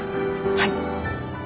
はい。